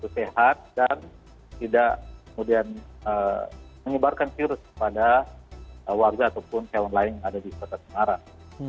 sehat dan tidak kemudian menyebarkan virus kepada warga ataupun hewan lain yang ada di kota semarang